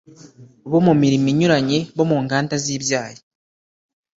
bo mu mirimo inyuranye bo mu nganda z ibyayi